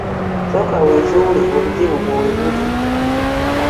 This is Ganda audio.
Sooka weezuule obuzibu bwo we buli.